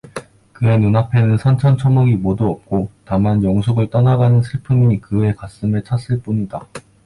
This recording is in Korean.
그의 눈앞에는 산천초목이 모두 없고 다만 영숙을 떠나가는 슬픔이 그의 가슴에 찼을 뿐이다.